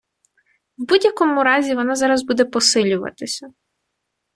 В будь-якому разі вона зараз буде посилюватися.